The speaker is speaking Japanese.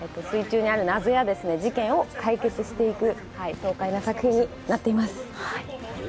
水中にある謎や事件を解決していく壮大な作品になっています。